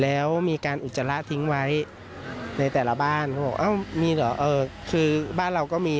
แล้วมีการอุจจาระทิ้งไว้ในแต่ละบ้านเขาบอกอ้าวมีเหรอคือบ้านเราก็มี